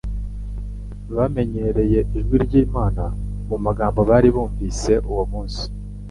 Bamenyereye ijwi ry'Imana mu magambo bari bumvise uwo munsi.